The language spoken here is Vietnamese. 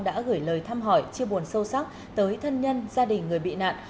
đã gửi lời thăm hỏi chia buồn sâu sắc tới thân nhân gia đình người bị nạn